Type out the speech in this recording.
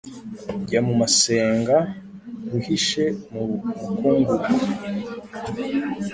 Jya mu masenga, wihishe mu mukungugu,